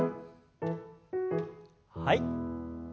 はい。